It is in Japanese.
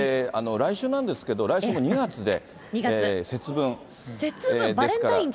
来週なんですけど来週の、２月で節分ですから。